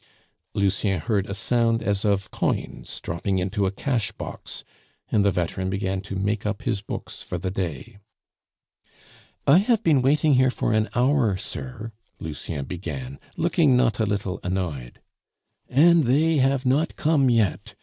Lucien heard a sound as of coins dropping into a cashbox, and the veteran began to make up his books for the day. "I have been waiting here for an hour, sir," Lucien began, looking not a little annoyed. "And 'they' have not come yet!"